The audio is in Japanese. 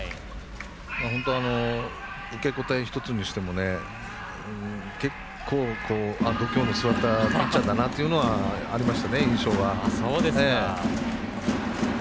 本当、受け答え一つにしても結構、度胸の据わったピッチャーだという印象はありましたね。